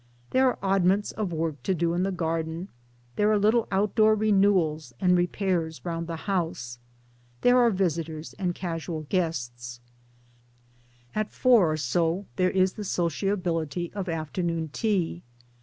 There are odd ments of work to do in the garden, there are little outdoor renewals and repairs round the house, there are visitors and casual guests ; at 4.0 or so there is the sociability of afternoon tea.